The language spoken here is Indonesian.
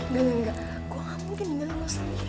gak gak gue gak mungkin tinggal di rumah sendiri